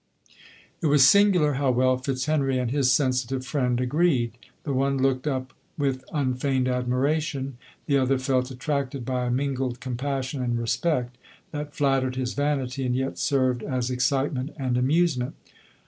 It was singular how well Fitzhenry and hi^ sensitive friend agreed; — the one looked up with unfeigned admiration — the other felt attracted by a mingled compassion and respect, that flat tered his vanity, and yet served as excitement and amusement.